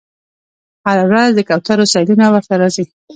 هره ورځ د کوترو سیلونه ورته راځي